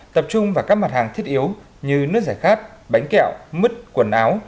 tập trung vào các mặt hàng thiết yếu như nước giải khát bánh kẹo mứt quần áo